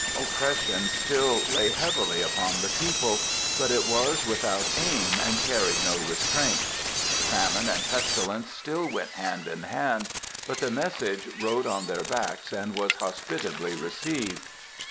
Oppression still lay heavily upon the people; but it was without aim and carried no restraint; famine and pestilence still went hand in hand, but the message rode on their backs and was hospitably received.